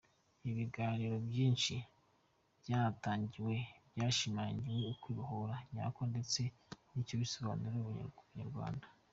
Ibiganiro byinshi byahatangiwe byashimangiye Ukwibohora nyako ndetse n’icyo bisobanuye ku Munyarwanda.